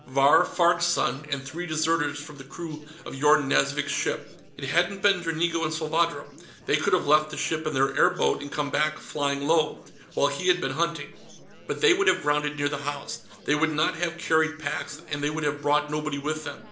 Vahr Farg's son, and three deserters from the crew of Yorn Nazvik's ship. It hadn't been Dranigo and Salvadro. They could have left the ship in their airboat and come back, flying low, while he had been hunting. But they would have grounded near the house, they would not have carried packs, and they would have brought nobody with them.